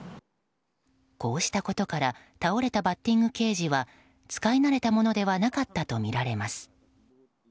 こうしたことから倒れたバッティングケージは使い慣れたものではなかったとみられます。